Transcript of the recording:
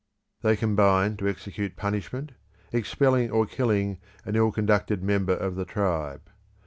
They combine to execute punishment, expelling or killing an ill conducted member of the tribe.